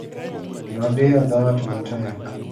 Nodiyo dhoot matek.